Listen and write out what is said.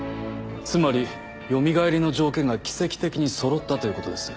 つまりよみがえりの条件が奇跡的に揃ったということです。